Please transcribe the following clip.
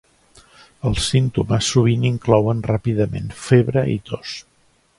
Els símptomes sovint inclouen ràpidament febre i tos.